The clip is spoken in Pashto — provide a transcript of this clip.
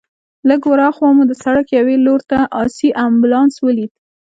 لږ ورهاخوا مو د سړک یوې لور ته آسي امبولانس ولید.